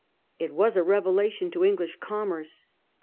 It was a revela tion to English commerce.